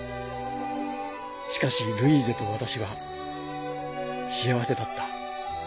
しかしルイーゼと私は幸せだった。